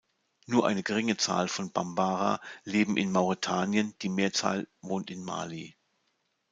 Nur eine geringe Zahl von Bambara leben in Mauretanien, die Mehrzahl wohnt in Mali.